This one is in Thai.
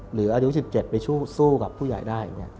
หรืออายุ๑๗ไปสู้กับผู้ใหญ่ได้อย่างนี้